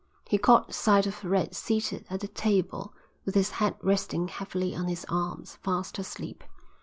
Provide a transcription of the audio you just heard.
He caught sight of Red seated at the table, with his head resting heavily on his arms, fast asleep.